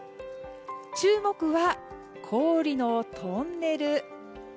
注目は氷のトンネル。